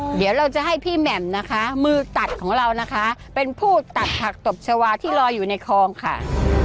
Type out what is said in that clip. เดี๋ยวเราจะให้พี่แหม่มนะคะมือตัดของเรานะคะเป็นผู้ตัดผักตบชาวาที่ลอยอยู่ในคลองค่ะ